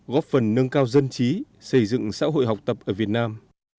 góp phần nâng cao dân trí xây dựng xã hội học tập ở việt nam